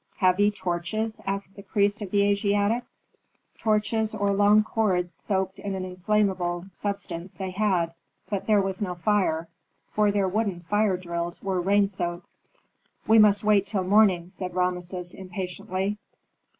"Have ye torches?" asked the priest of the Asiatics. Torches, or long cords soaked in an inflammable substance they had; but there was no fire, for their wooden fire drills were rain soaked. "We must wait till morning," said Rameses, impatiently.